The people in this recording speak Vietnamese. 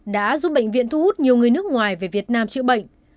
đã giúp bệnh viện thu hút nhiều người nước ngoài về việt nam chữa bệnh